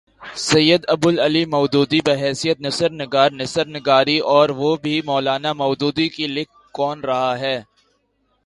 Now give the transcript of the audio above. سید ابو الاعلی مودودی، بحیثیت نثر نگار نثر نگاری اور وہ بھی مو لانا مودودی کی! لکھ کون رہا ہے؟